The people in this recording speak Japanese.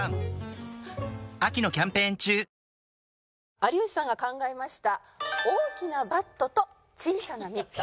有吉さんが考えました「大きなバットと小さなミット」